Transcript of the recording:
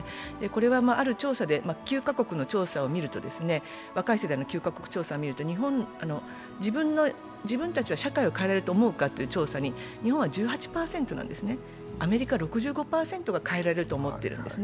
これはある調査で、若い世代の９か国の調査を見ると、自分たちは社会を変えられるかと思うかという調査に日本は１８％、アメリカは６５％が変えられると思っているんです。